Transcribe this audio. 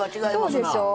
そうでしょう。